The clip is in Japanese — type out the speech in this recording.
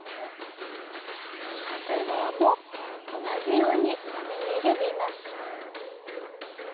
反対側も同じように並縫いで縫います。